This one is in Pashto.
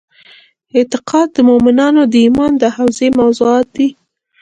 اعتقاد د مومنانو د ایمان د حوزې موضوعات دي.